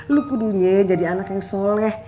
lu kudunya jadi anak yang soleh